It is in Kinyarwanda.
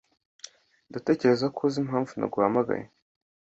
Ndatekereza ko uzi impamvu naguhamagaye.